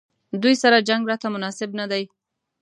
دوی سره جنګ راته مناسب نه دی.